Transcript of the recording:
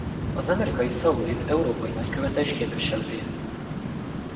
Az amerikai Soul Id európai nagykövete és képviselője.